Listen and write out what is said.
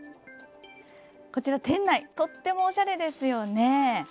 店内、とてもおしゃれですよね。